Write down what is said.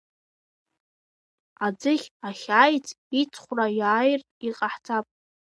Аӡыхь ахьааиц иҵхәраа иааиратә иҟаҳҵап.